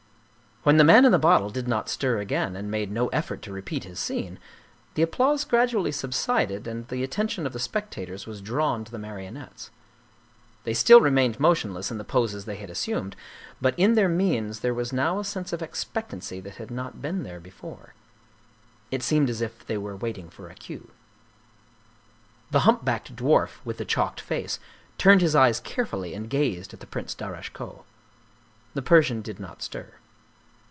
When the man in the bottle did not stir again and made no effort to repeat his scene, the applause gradually sub sided and the attention of the spectators was drawn to the marionettes. They still remained motionless in the poses they had assumed, but in their miens there was now a sense of expectancy that had not been there before. It seemed as if they were waiting for a cue. The humpbacked dwarf, with the chalked face, turned his eyes carefully and gazed at the Prince Darasche Koh. The Persian did not stir.